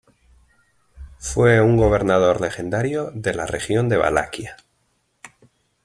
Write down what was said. Fue un gobernador legendario de la región de Valaquia.